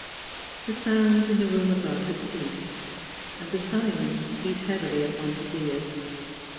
The sounds in the room above had ceased, and the silence beat heavily upon his ears.